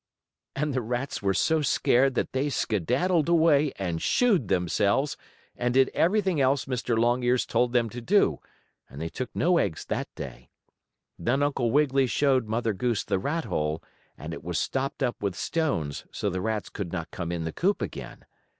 And the rats were so scared that they skedaddled away and shooed themselves and did everything else Mr. Longears told them to do, and they took no eggs that day. Then Uncle Wiggily showed Mother Goose the rat hole, and it was stopped up with stones so the rats could not come in the coop again.